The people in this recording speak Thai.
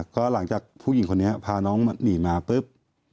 ก็หลังจากผู้หญิงคนนี้พาน้องหนีมาปุ๊บ